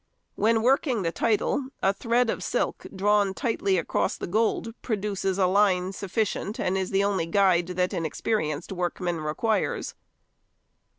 When working the title, a thread of silk drawn tightly across the gold produces a line sufficient, and is the only guide that an experienced workman requires.